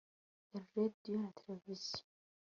ya radiyo na televiziyo